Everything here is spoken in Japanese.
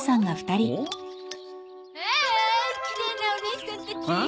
はいきれいなおねいさんたち！